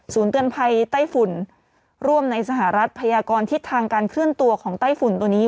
เตือนภัยใต้ฝุ่นร่วมในสหรัฐพยากรทิศทางการเคลื่อนตัวของไต้ฝุ่นตัวนี้